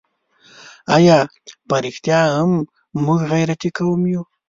آیا په رښتیا هم موږ غیرتي قوم یو؟